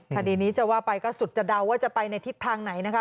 คดีนี้จะว่าไปก็สุดจะเดาว่าจะไปในทิศทางไหนนะคะ